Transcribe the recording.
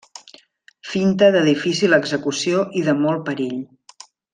Finta de difícil execució i de molt perill.